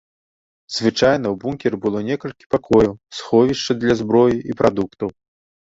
Звычайна, у бункеры было некалькі пакояў, сховішча для зброі і прадуктаў.